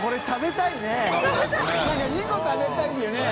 燭２個食べたいよね。